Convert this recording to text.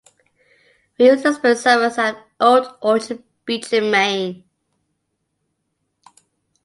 We used to spend summers at Old Orchard Beach in Maine.